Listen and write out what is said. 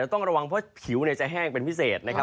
เราต้องระวังเพราะว่าผิวเนี่ยจะแห้งเป็นพิเศษนะครับ